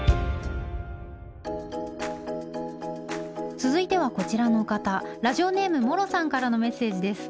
続いてはこちらの方ラジオネームもろさんからのメッセージです。